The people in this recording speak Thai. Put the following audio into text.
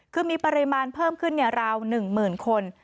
คือมีปริมาณเพิ่มขึ้นราว๑๐๐๐คน